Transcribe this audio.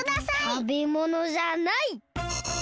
たべものじゃない！